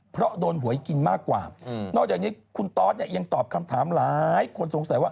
เพราะโดนหวยกินมากกว่านอกจากนี้คุณตอสเนี่ยยังตอบคำถามหลายคนสงสัยว่า